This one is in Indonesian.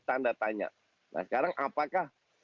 tanda tanya nah sekarang apakah